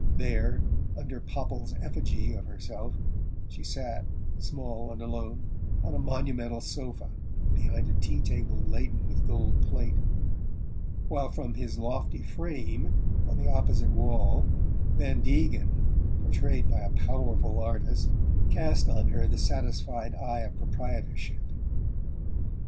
There, under Popple's effigy of herself, she sat, small and alone, on a monumental sofa behind a tea table laden with gold plate; while from his lofty frame, on the opposite wall Van Degen, portrayed by a "powerful" artist, cast on her the satisfied eye of proprietorship.